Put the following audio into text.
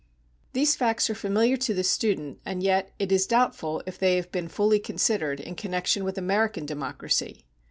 These facts are familiar to the student, and yet it is doubtful if they have been fully considered in connection with American democracy.